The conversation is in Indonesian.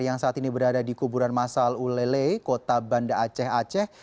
yang saat ini berada di kuburan masal ulele kota banda aceh aceh